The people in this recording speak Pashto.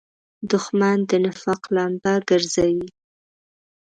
دښمن د نفاق لمبه ګرځوي